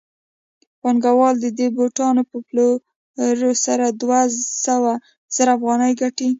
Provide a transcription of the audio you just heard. پانګوال د دې بوټانو په پلورلو سره دوه سوه زره افغانۍ ګټي